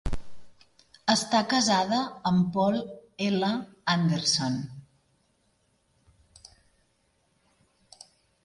Està casada amb Paul L. Anderson.